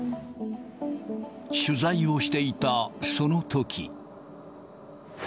取材をしていたそのとき。